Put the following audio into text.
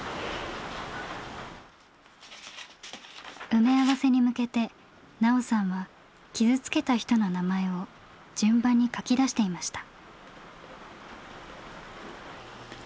埋め合わせに向けてナオさんは傷つけた人の名前を順番に書き出していました。